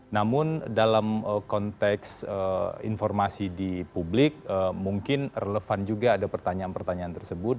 namun dalam konteks informasi di publik mungkin relevan juga ada pertanyaan pertanyaan tersebut